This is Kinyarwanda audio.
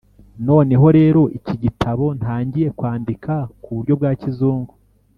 noneho rero iki gitabo ntangiye kwandika kuburyo bwa kizungu